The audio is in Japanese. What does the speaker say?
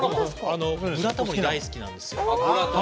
「ブラタモリ」が大好きなんですよ。